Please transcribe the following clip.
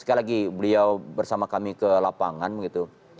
sekali lagi beliau bersama kami ke lapangan gitu